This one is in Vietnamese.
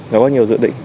nó có nhiều dự định